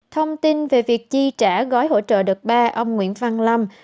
thông tin về việc chi trả gói hỗ trợ đợt ba ông nguyễn văn lâm